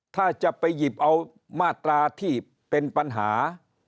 ถ้าจะไปหยิบเอามาตราที่เป็นปัญหา